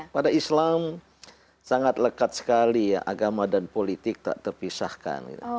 pada islam sangat lekat sekali ya agama dan politik tak terpisahkan